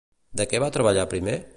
De què va treballar primer?